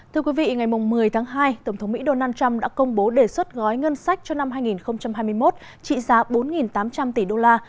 thưa quý vị ngày một mươi tháng hai tổng thống mỹ donald trump đã công bố đề xuất gói ngân sách cho năm hai nghìn hai mươi một trị giá bốn tám trăm linh tỷ đô la